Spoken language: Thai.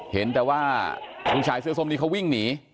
เห็นแต่ว่าผู้ชายเสื้อส้มนี้เขาวิ่งหนี